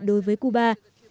đối với cuba